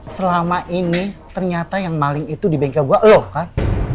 selama ini ternyata yang maling itu di bengkel gue loh kan